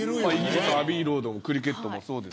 アビイ・ロードもクリケットもそうですし。